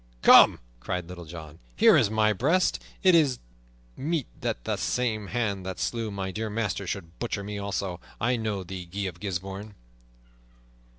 "Come!" cried Little John. "Here is my breast. It is meet that the same hand that slew my dear master should butcher me also! I know thee, Guy of Gisbourne!"